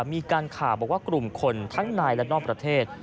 มีการข่าวบอกว่ากลุ่มคนทั้งในและนอกประเทศ